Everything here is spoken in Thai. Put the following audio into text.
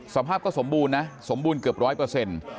สภาพก็สมบูรณ์นะสมบูรณ์เกือบร้อยเปอร์เซ็นต์